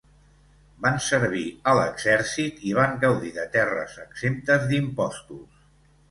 Van servir a l'exèrcit i van gaudir de terres exemptes d'impostos.